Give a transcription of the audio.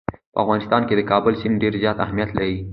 په افغانستان کې د کابل سیند ډېر زیات اهمیت لري.